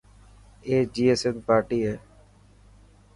اي جئي سنڌ پارٽي هي.